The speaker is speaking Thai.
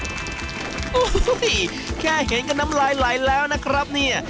โอ้โหแค่เห็นกับน้ำลายไหลแล้วนะครับเนี่ย